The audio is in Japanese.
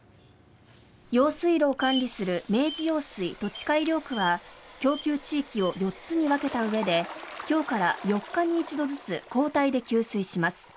用水路を管理する明治用水土地改良区は供給地域を４つに分けたうえで今日から４日に１度ずつ交代で給水します。